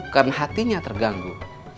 karena hatinya terganggu